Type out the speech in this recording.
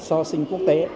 so sinh quốc tế